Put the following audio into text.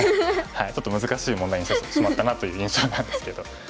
ちょっと難しい問題にしてしまったなという印象なんですけど。